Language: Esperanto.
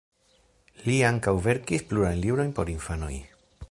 Li ankaŭ verkis plurajn librojn por infanoj.